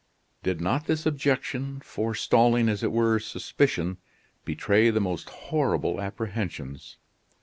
Did not this objection, forestalling, as it were, suspicion, betray the most horrible apprehensions?